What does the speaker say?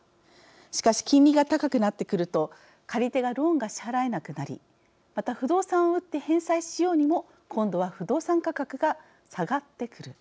しかし、金利が高くなってくると借り手がローンが支払えなくなりまた不動産を売って返済しようにも今度は不動産価格が下がってくる。